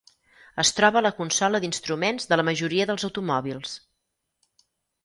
Es troba a la consola d'instruments de la majoria dels automòbils.